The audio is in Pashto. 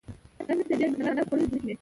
دا ځمکې تر ډېره نا لاس خوړلې ځمکې وې.